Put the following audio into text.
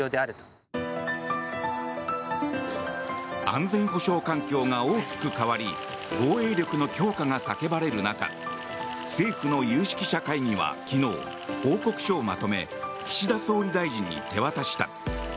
安全保障環境が大きく変わり防衛力の強化が叫ばれる中政府の有識者会議は昨日報告書をまとめ岸田総理大臣に手渡した。